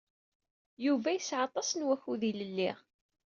Yuba yesɛa aṭas n wakud ilelli.